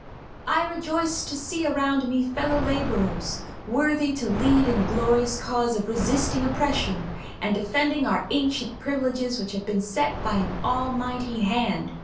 "I rejoice to see around me fellow laborers worthy to lead in the glorious cause of resisting oppression, and defending our ancient privileges which have been set by an Almighty hand.